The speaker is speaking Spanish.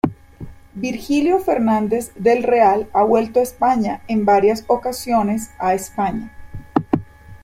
Virgilio Fernández del Real ha vuelto a España en varias ocasiones a España.